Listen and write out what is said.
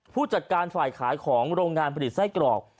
ผู้จัดการฝ่ายขายของโรงงานผลิตไส้กรอก